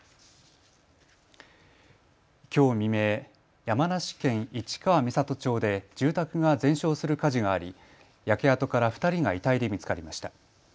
きょう未明、山梨県市川三郷町で住宅が全焼する火事があり焼け跡から２人が遺体で見つかりました。